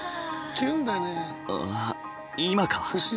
あ今か？